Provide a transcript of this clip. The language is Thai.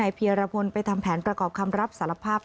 เพียรพลไปทำแผนประกอบคำรับสารภาพ